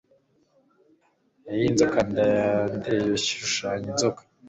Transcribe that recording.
Hafi yinzoka ndendeyashushanyije inzoka